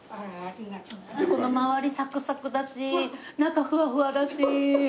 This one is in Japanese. この周りサクサクだし中フワフワだし。